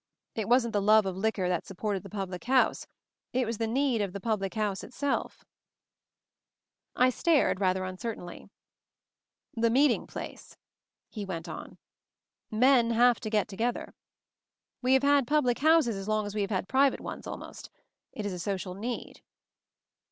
It wasn't the love of liquor that sup ' ported the public house — it was the need ; of the public house itself. I 184 MOVING THE MOUNTAIN I stared rather uncertainly, "The meeting place," he went on. "Men have to get together. We have had public houses as long as we have had private ones, almost. It is a social need."